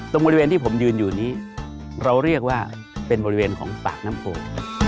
ตรงบริเวณที่ผมยืนอยู่นี้เราเรียกว่าเป็นบริเวณของปากน้ำโพ